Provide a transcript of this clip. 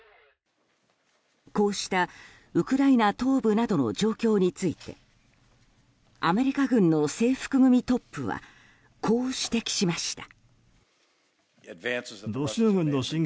こうした、ウクライナ東部などの状況についてアメリカ軍の制服組トップはこう指摘しました。